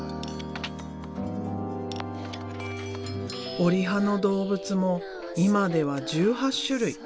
折り葉の動物も今では１８種類。